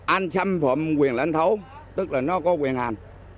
anh xâm phạm quyền lãnh thổ tức là nó có quyền hành